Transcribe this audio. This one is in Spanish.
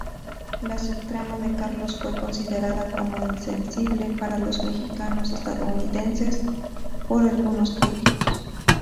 La subtrama de Carlos fue considerada como insensible para los mexicano-estadounidenses por algunos críticos.